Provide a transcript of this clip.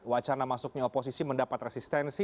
wacana masuknya oposisi mendapat resistensi